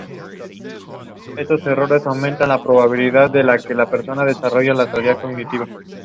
From it, benefices stack up, including pensions and tithes.